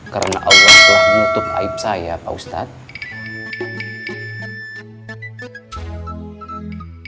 karena allah telah menutup aib saya pak ustadz